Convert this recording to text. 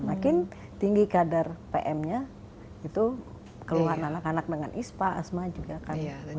makin tinggi kadar pm nya itu keluar anak anak dengan ispa asma juga akan menurun